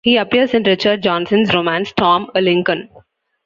He appears in Richard Johnson's romance "Tom a' Lincoln".